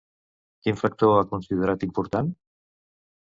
Quin factor ha considerat important?